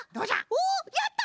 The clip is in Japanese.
おやった！